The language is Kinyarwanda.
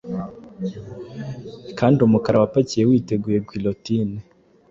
Kandi umukara wapakiye witeguye guillotine